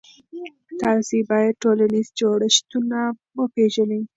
تاسې باید ټولنیز جوړښتونه وپېژنئ.